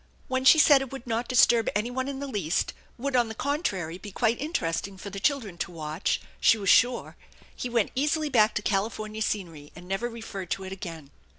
When she aid it would not disturb any one in the least, would on the contrary be quite interesting for the children to watch, she was jdure, he went easily back to California scenery and never referred to it again.